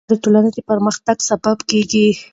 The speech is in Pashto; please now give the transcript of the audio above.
مطالعه د ټولنې د پرمختګ سبب کېږي.